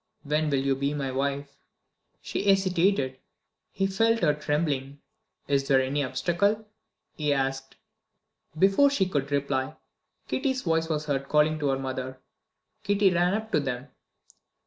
"When will you be my wife?" She hesitated; he felt her trembling. "Is there any obstacle?" he asked. Before she could reply, Kitty's voice was heard calling to her mother Kitty ran up to them.